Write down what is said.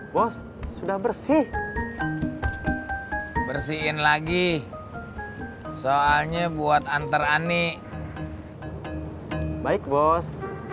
bos sudah bersih bersihin lagi soalnya buat antar ani baik bos